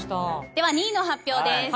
では２位の発表です。